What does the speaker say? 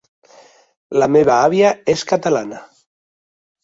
La meva àvia és catalana.